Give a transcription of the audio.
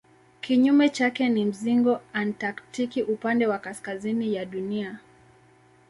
Kinyume chake ni mzingo antaktiki upande wa kaskazini ya Dunia.